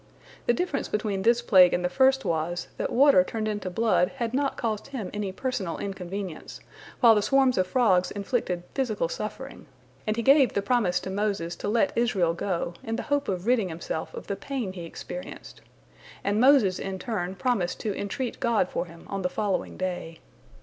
The difference between this plague and the first was, that water turned into blood had not caused him any personal inconvenience, while the swarms of frogs inflicted physical suffering, and he gave the promise to Moses to let Israel go, in the hope of ridding himself of the pain he experienced. And Moses in turn promised to entreat God for him on the following day.